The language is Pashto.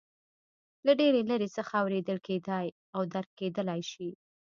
له ډېرې لرې څخه اورېدل کېدای او درک کېدلای شي.